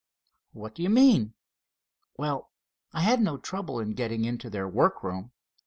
"What do you mean?" "Well, I had no trouble in getting into their workroom.